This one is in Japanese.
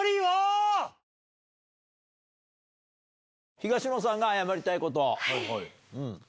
東野さんが謝りたいこと。